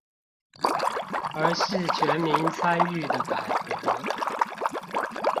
而是全民參與的改革